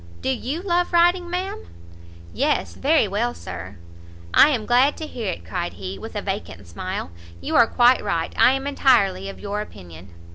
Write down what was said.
Do you love riding, ma'am?" "Yes, very well, Sir." "I am glad to hear it," cried he, with a vacant smile; "you are quite right; I am entirely of your opinion."